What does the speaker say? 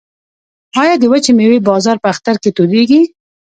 آیا د وچې میوې بازار په اختر کې تودیږي؟